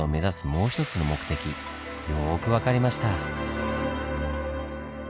もう一つの目的よく分かりました。